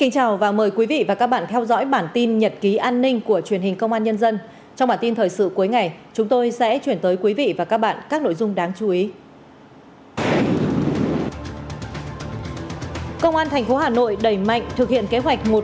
các bạn hãy đăng ký kênh để ủng hộ kênh của chúng mình nhé